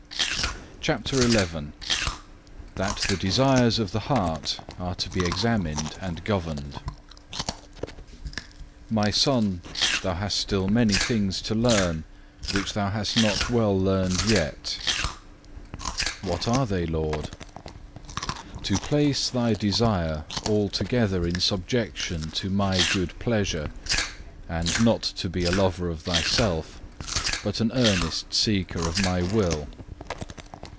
CHAPTER XI That the desires of the heart are to be examined and governed "My Son, thou hast still many things to learn, which thou hast not well learned yet." 2. What are they, Lord? 3. "To place thy desire altogether in subjection to My good pleasure, and not to be a lover of thyself, but an earnest seeker of My will.